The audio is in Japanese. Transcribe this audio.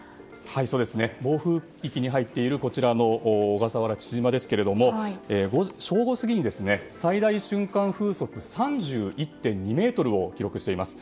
暴風域に入っている小笠原・父島ですが正午過ぎに最大瞬間風速３１．２メートル記録しています。